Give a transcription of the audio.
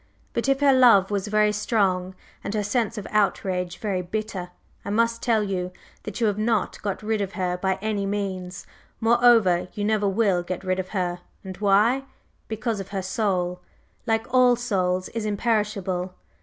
But if her love was very strong and her sense of outrage very bitter, I must tell you that you have not got rid of her by any means, moreover, you never will get rid of her. And why? Because her Soul, like all Souls, is imperishable.